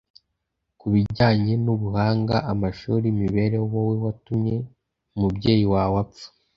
kubijyanye n ubuhanga amashuli imibereho wowe watumye umubyeyi wawe apfa